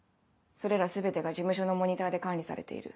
それら全てが事務所のモニターで管理されている。